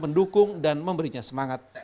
mendukung dan memberinya semangat